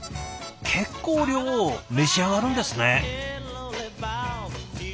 結構量召し上がるんですね。